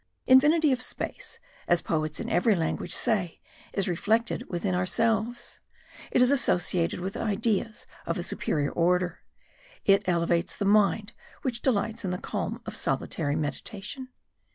Infinity of space, as poets in every language say, is reflected within ourselves; it is associated with ideas of a superior order; it elevates the mind which delights in the calm of solitary meditation.